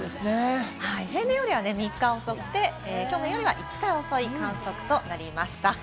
平年よりは３日遅くて、去年よりは５日遅い観測となりました。